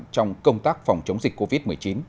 trong công tác phòng chống dịch covid một mươi chín